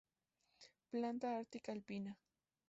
Planta ártica alpina.